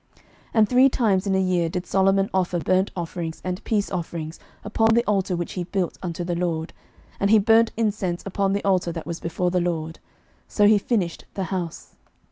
11:009:025 And three times in a year did Solomon offer burnt offerings and peace offerings upon the altar which he built unto the LORD, and he burnt incense upon the altar that was before the LORD. So he finished the house.